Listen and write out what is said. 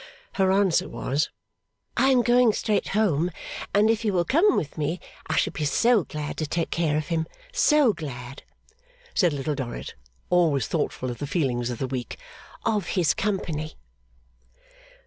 Her answer was, 'I am going straight home, and if he will come with me I shall be so glad to take care of him so glad,' said Little Dorrit, always thoughtful of the feelings of the weak, 'of his company.